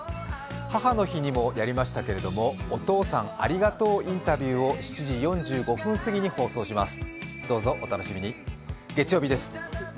母の日にもやりましたけれども、お父さんありがとうインタビューを６時４５分過ぎに放送します